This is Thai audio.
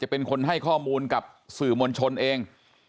เป็นคนให้ข้อมูลกับสื่อมวลชนเอง